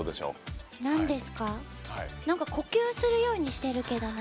何か呼吸をするようにしてるけどな。